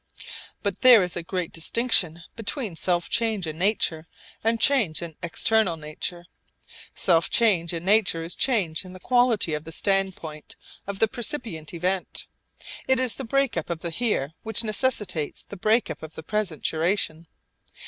But there is a great distinction between self change in nature and change in external nature. Self change in nature is change in the quality of the standpoint of the percipient event. It is the break up of the 'here' which necessitates the break up of the present duration.